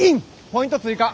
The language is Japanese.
ポイント追加。